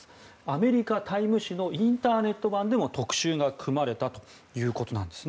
アメリカ「タイム」誌のインターネット版でも特集が組まれたということなんです。